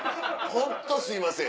ホントすいません。